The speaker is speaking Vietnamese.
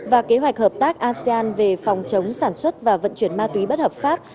và kế hoạch hợp tác asean về phòng chống sản xuất và vận chuyển ma túy bất hợp pháp